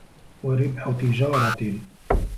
وَرِبْحُ تِجَارَةٍ